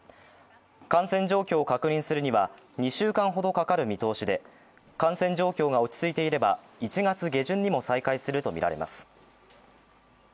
感染状況を確認するには２週間ほどかかる見通しで感染状況が落ち着いていれば１月下旬にも再開するとみられます。